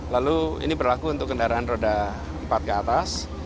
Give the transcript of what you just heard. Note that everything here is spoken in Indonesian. lalu ini berlaku untuk kendaraan roda empat ke atas